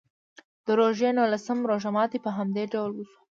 د روژې نولسم روژه ماتي په همدې ډول وشو.